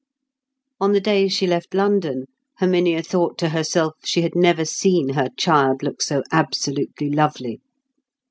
On the day she left London, Herminia thought to herself she had never seen her child look so absolutely lovely.